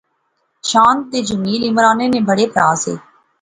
شان تے جمیل عمرانے نے بڑے پرہا سے